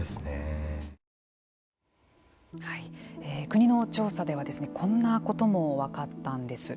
国の調査ではこんなことも分かったんです。